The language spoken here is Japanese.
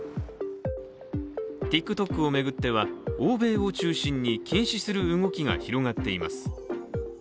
ＴｉｋＴｏｋを巡っては、欧米を中心に禁止する動きが広がっています。